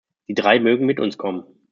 Die drei mögen mit uns kommen.